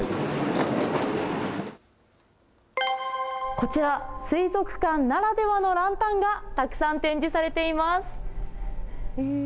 こちら、水族館ならではのランタンがたくさん展示されています。